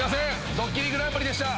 『ドッキリＧＰ』でした。